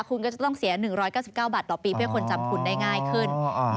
คุณก็จะต้องเสีย๑๙๙บาทต่อปีเพื่อให้คนจำคุณได้ง่ายขึ้น